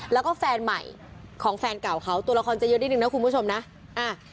แล้วก็แฟนใหม่ของแฟนเก่าเขาตัวละครจะเยอะนิดนึงนะคุณผู้ชมนะอ่า